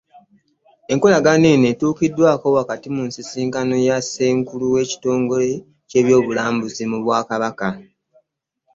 Enkolagana eno etuukiddwako wakati mu nsisinkano ya ssenkulu w'ekitongole ky'ebyobulambuzi mu bwakabaka